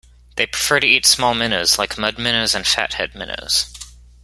They prefer to eat small minnows like mud minnows and fathead minnows.